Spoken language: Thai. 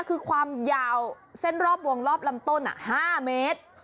คือความยาวเส้นรอบวงรอบลำต้น๕เมตร